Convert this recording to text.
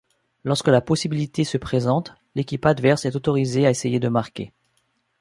Lorsque la possibilité se présente, l’équipe adverse est autorisée à essayer de marquer.